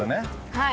はい。